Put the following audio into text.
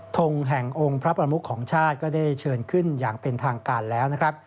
ทงแห่งองค์พระประมุขของชาติก็ได้เชิญขึ้นอย่างเป็นทางการแล้วนะครับ